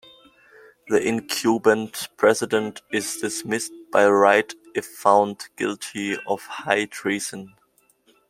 The incumbent President is dismissed by right if found guilty of high treason.